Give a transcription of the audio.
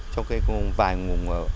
trong vài vùng